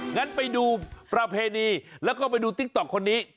งั้นไปดูประเพณีแล้วก็ไปดูติ๊กต๊อกคนนี้